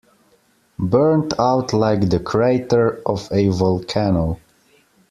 Burnt out like the crater of a volcano.